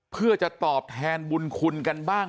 เพื่อจะตอบแทนบุญคุณกันบ้าง